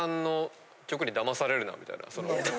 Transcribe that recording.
みたいな。